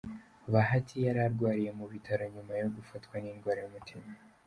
Bahati yari arwariye mu bitaro nyuma yo gufatwa n'indwara y'umutima.